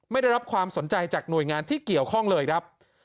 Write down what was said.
ได้รับความสนใจจากหน่วยงานที่เกี่ยวข้องเลยครับ